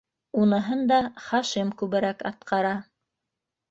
Уныһын да Хашим күберәк атҡара.